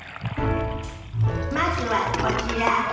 まずはこちら。